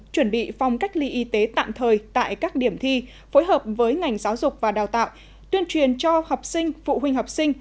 chuẩn bị phòng cách ly y tế tạm thời tại các điểm thi phối hợp với ngành giáo dục và đào tạo tuyên truyền cho học sinh phụ huynh học sinh